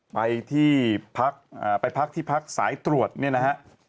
ไปพักที่พักสายตรวจ